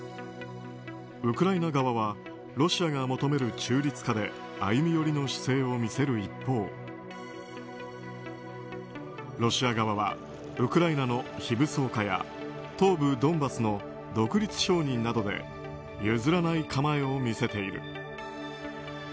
ウクライナ側はロシアが求める中立化で歩み寄りの姿勢を見せる一方ロシア側はウクライナの非武装化や東部ドンバスの独立承認などで譲らない構えを見せている。